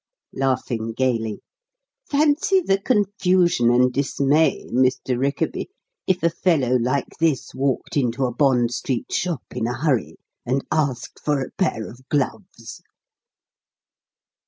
laughing gaily. "Fancy the confusion and dismay, Mr. Rickaby, if a fellow like this walked into a Bond Street shop in a hurry and asked for a pair of gloves."